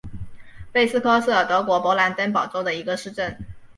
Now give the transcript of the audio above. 贝斯科是德国勃兰登堡州的一个市镇。